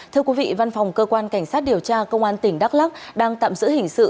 thưa quý vị văn phòng cơ quan cảnh sát điều tra công an tỉnh đắk lắc đang tạm giữ hình sự